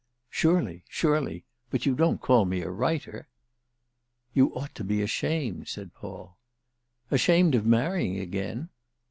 "Surely—surely. But you don't call me a writer?" "You ought to be ashamed," said Paul. "Ashamed of marrying again?"